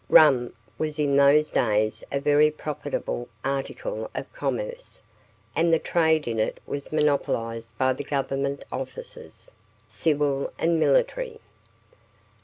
Rum was in those days a very profitable article of commerce, and the trade in it was monopolised by the Government officers, civil and military.